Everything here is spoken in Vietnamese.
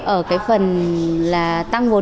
ở cái phần là tăng vốn tiền